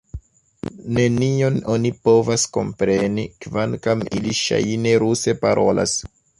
Nenion oni povas kompreni, kvankam ili ŝajne ruse parolas!